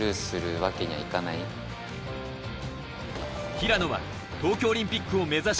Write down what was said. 平野は東京オリンピックを目指し